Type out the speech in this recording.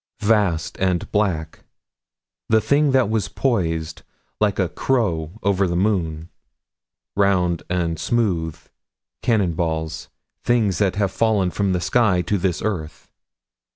27 Vast and black. The thing that was poised, like a crow over the moon. Round and smooth. Cannon balls. Things that have fallen from the sky to this earth.